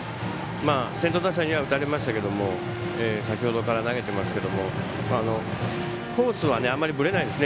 先頭打者には打たれましたけど先ほどから投げていますがコースはあまりぶれないですね。